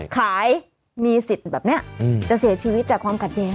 ขายมีสิทธิ์แบบนี้จะเสียชีวิตจากความขัดแย้ง